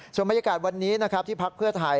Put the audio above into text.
ส่วนบรรยากาศวันนี้นะครับที่พักเพื่อไทย